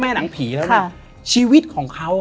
และยินดีต้อนรับทุกท่านเข้าสู่เดือนพฤษภาคมครับ